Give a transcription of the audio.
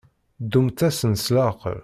Ddumt-asen s leɛqel.